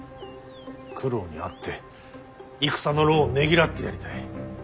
九郎に会って戦の労をねぎらってやりたい。